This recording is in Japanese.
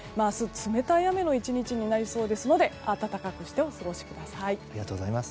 明日、冷たい雨の１日になりそうですので暖かくしてお過ごしください。